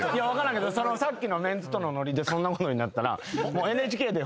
さっきのメンツとのノリでそんなことになったら。